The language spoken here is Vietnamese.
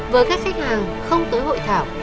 với các khách hàng không tới hội thảo